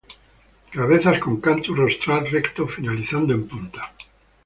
Cabezas con cantus rostral recto finalizando en punta.